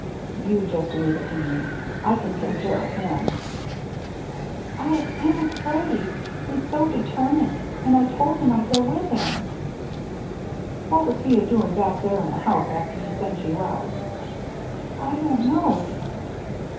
" You just leave it to me. I can take care o' himr 300 THE MERRY ANNE "I — I'm afraid. He's so determined. And I told him I'd go with him." " What was he a doin* back there in the house after he sent you out ?"" I don't know."